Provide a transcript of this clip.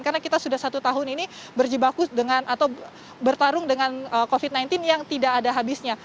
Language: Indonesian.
karena kita sudah satu tahun ini berjibaku dengan atau bertarung dengan covid sembilan belas yang tidak ada habisnya